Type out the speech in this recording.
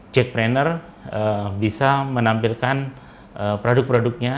cekpreneur bisa menampilkan produk produknya